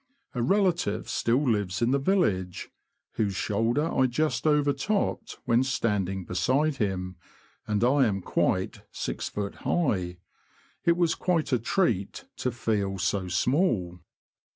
A relative still lives in the village, whose shoulder I just overtopped when standing beside him, and I am quite 6ft. high. It was quite a treat to feel so small.